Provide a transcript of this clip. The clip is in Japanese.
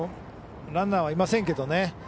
ランナーはいませんけどね。